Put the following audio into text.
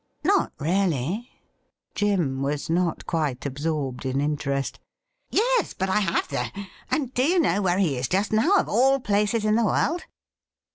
' Not really .?' Jim was not quite absorbed in interest. ' Yes, but I have, though. And do you know where he is just now, of all places in the world